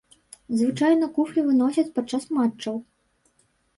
Звычайна куфлі выносяць падчас матчаў.